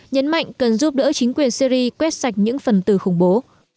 nhấn mạnh cần giúp đỡ chính quyền syri quét sạch những phần từ khủng bố